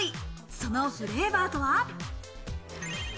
そのフレーバーとは？